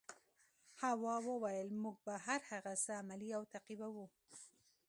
هوا وویل موږ به هر هغه څه عملي او تعقیبوو.